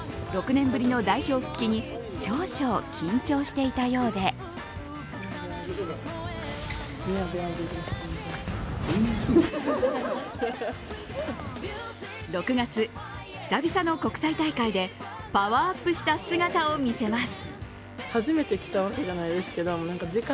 ６年ぶりの代表復帰に少々、緊張していたようで６月、久々の国際大会でパワーアップした姿を見せます。